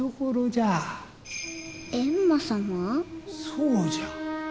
そうじゃ。